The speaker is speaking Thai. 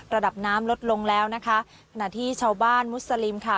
ระดับน้ำลดลงแล้วนะคะขณะที่ชาวบ้านมุสลิมค่ะ